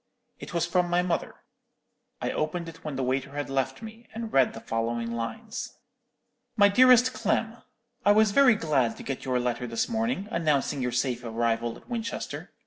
"It was from my mother. I opened it when the waiter had left me, and read the following lines: "'MY DEAREST CLEM,—_I was very glad to get your letter this morning, announcing your safe arrival at Winchester.